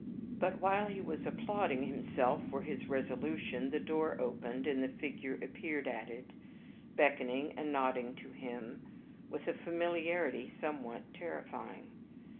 But while he was applauding himself for this resolution, the door opened, and the figure appeared at it, beckoning and nodding to him, with a familiarity somewhat terrifying.